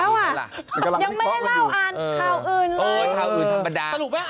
ยังไม่ได้เล่าอ่านข่าวอื่นเลย